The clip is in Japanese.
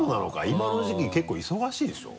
今の時期結構忙しいでしょ？